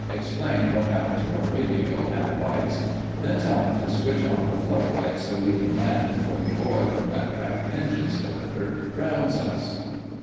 "Explain what happened to our radio and lights. Then tell 'em to switch on the floodlights, so we can land before the oil from that cracked engine cylinder drowns us."